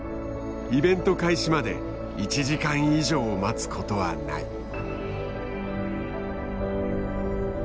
イベント開始まで１時間以上待つことはない。